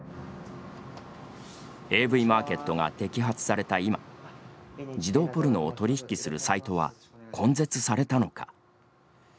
ＡＶＭａｒｋｅｔが摘発された今児童ポルノを取り引きするサイトは根絶されたのか。